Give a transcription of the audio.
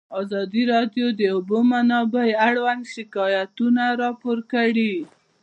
ازادي راډیو د د اوبو منابع اړوند شکایتونه راپور کړي.